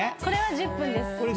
これは１０分です。